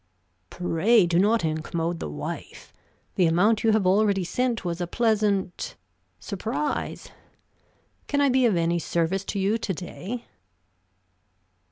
"Pray do not incommode the wife. The amount you have already sent was a pleasant surprise. Can I be of any service to you to day?"